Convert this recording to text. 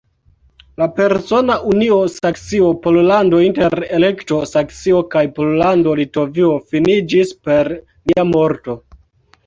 La persona unio Saksio-Pollando inter Elekto-Saksio kaj Pollando-Litovio finiĝis per lia morto.